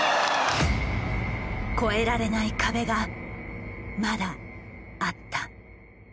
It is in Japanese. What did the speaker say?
超えられない壁がまだあった。